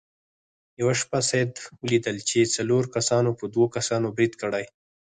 یوه شپه سید ولیدل چې څلورو کسانو په دوو کسانو برید کړی.